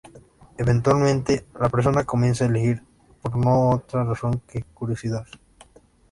Eventualmente la persona comienza a elegir por no otra razón que curiosidad.